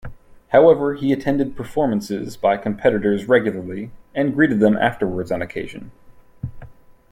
However, he attended performances by competitors regularly and greeted them afterwards on occasion.